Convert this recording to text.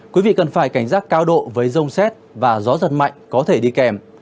quý vị cần phải cảnh giác cao độ với rông xét và gió giật mạnh có thể đi kèm